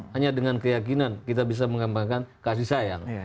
hanya dengan keyakinan kita bisa mengembangkan kasih sayang